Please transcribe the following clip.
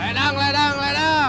ledang ledang ledang